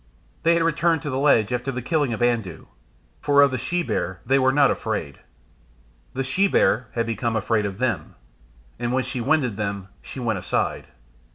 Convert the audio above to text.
They had returned to the ledge after the killing of Andoo; for of the she bear they were not afraid. The she bear had become afraid of them, and when she winded them she went aside.